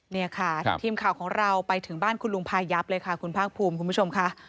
นี่ค่ะทีมข่าวของเราไปถึงบ้านคุณลุงพายับเลยค่ะคุณภาคภูมิคุณผู้ชมค่ะ